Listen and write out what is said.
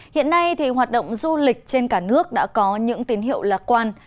hiện nay hoạt động du lịch trên cả nước đã có những tín hiệu lạc quan